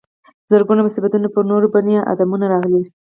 زرګونه مصیبتونه پر نورو بني ادمانو راغلي.